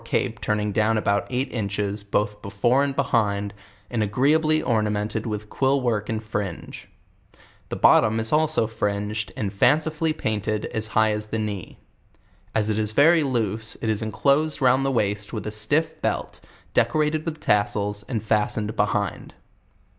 ipo turning down about eight inches, both before and behind, and agreeably ornamented with quill work and fringe; the bottom is also fringed and fancifully painted as high as the knee. As it is very loose, it is enclosed round the waist with a stiff belt, decorated with tassels, and fas tened behind.